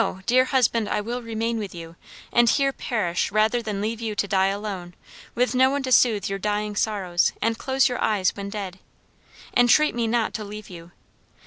dear husband, I will remain with you, and here perish rather than leave you to die alone, with no one to soothe your dying sorrows, and close your eyes when dead. Entreat me not to leave you.